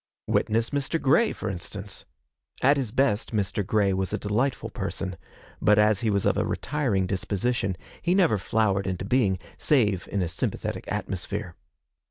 Witness Mr. Grey, for instance. At his best Mr. Grey was a delightful person; but as he was of a retiring disposition, he never flowered into being, save in a sympathetic atmosphere.